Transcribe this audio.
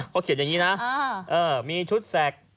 เขาเขียนอย่างนี้นะมีชุดแสก